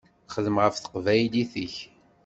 Xdem ɣef teqbaylit-ik.